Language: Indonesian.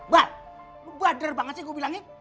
bal lo bader banget sih gue bilangin